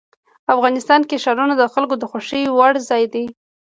افغانستان کې ښارونه د خلکو د خوښې وړ ځای دی.